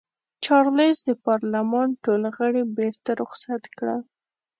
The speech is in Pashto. چارلېز د پارلمان ټول غړي بېرته رخصت کړل.